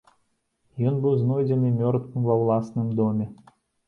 Ён быў знойдзены мёртвым ва ўласным доме.